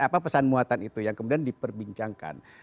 apa pesan muatan itu yang kemudian diperbincangkan